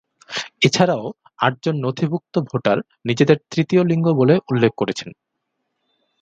এছাড়াও আটজন নথিভূক্ত ভোটার নিজেদের তৃতীয় লিঙ্গ বলে উল্লেখ করেছেন।